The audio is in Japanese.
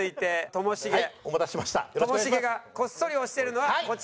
ともしげがこっそり推してるのはこちらの方々。